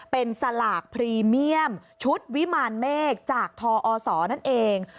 เป็นสลากพรีเมียมชุดวิมารเมฆจากทอศนั่นเอง